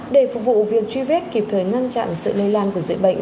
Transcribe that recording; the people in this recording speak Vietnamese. để phục vụ việc truy vết kịp thời ngăn chặn sự lây lan của dịch bệnh